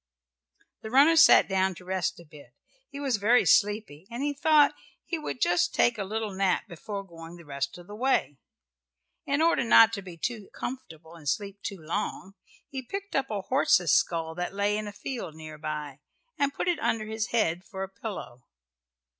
The runner sat down to rest a bit. He was very sleepy and he thought he would just take a little nap before going the rest of the way. In order not to be too comfortable and sleep too long he picked up a horse's skull that lay in a field near by and put it under his head for a pillow.